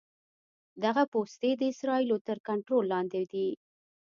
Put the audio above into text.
دغه پوستې د اسرائیلو تر کنټرول لاندې دي.